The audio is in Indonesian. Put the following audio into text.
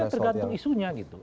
saya kira tergantung isunya gitu